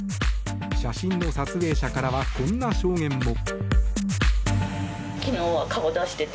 写真の撮影者からはこんな証言も。